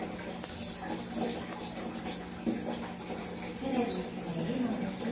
テレビっていいもんですね。